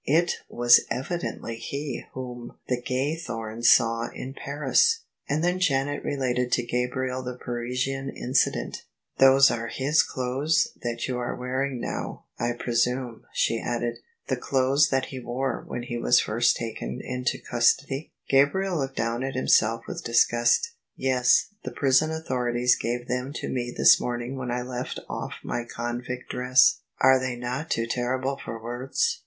" It was evidently he whom the Gaythomes saw in Paris." And then Janet related to Gabriel the Parisian incident J THE SUBJECTION "Those arc his clothes that you arc wearing now, I presume," she added :" the clothes that he wore when he was first taken into custody? " Gabriel looked down at himself with disgust. " Yes: the prison authorities gave them to me this morning when I left off my convict dress. Are they not too terrible for words?